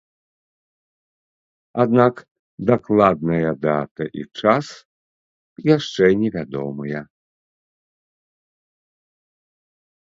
Аднак дакладная дата і час яшчэ невядомыя.